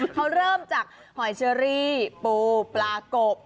เขาเริ่มจากหอยเชอรี่ปูปลากบ